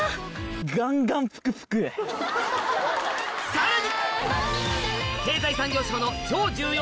さらに！